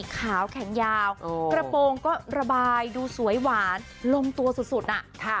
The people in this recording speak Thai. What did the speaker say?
ขาวแขนยาวกระโปรงก็ระบายดูสวยหวานลงตัวสุดน่ะ